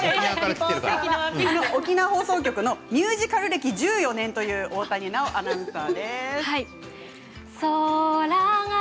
沖縄放送局のミュージカル歴１４年の大谷アナウンサーです。